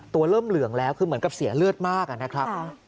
เริ่มเหลืองแล้วคือเหมือนกับเสียเลือดมากนะครับ